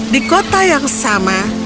di kota yang sama